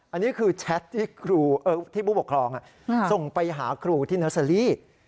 อันนี้คือแชทที่ผู้ปกครองส่งไปหาครูที่เนอร์เซอรี่